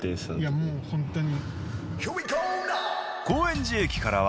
もうホントに。